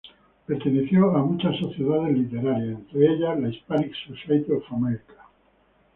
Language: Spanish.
Perteneció a muchas sociedades literarias, entre ellas la Hispanic Society of America.